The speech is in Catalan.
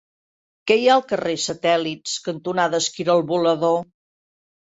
Què hi ha al carrer Satèl·lits cantonada Esquirol Volador?